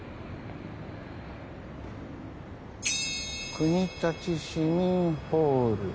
「国立市民ホール」。